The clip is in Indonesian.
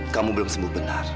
kamu belum sembuh benar